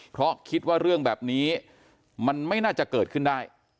เพราะคิดว่าเรื่องแบบนี้มันไม่น่าจะเกิดขึ้นได้